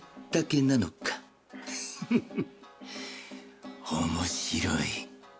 フフッ面白い。